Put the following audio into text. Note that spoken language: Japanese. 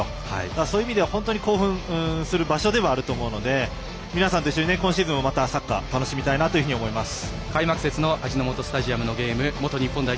そういう意味では本当に興奮する場所ではあると思うので皆さんと一緒に今シーズンもまたサッカーを楽しみたいなと開幕節の味の素スタジアムのゲーム元日本代表